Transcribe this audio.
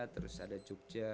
terus ada jogja